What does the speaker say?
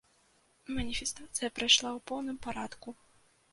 Маніфестацыя прайшла ў поўным парадку.